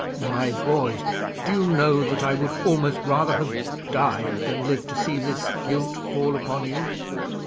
"My boy, do you know that I would almost rather have died, than live to see this guilt fall upon you?"